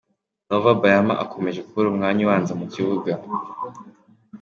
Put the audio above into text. Nova Bayama akomeje kubura umwanya ubanza mu kibuga.